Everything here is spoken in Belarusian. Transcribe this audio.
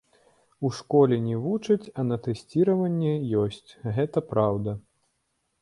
У школе не вучаць, а на тэсціраванні ёсць, гэта праўда.